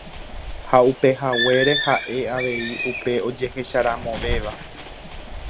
Ha upehaguére ha'e avei upe ojehecharamovéva.